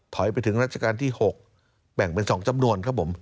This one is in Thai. ถอยไปถึงราชการที่๖แบ่งเป็น๒จำนวน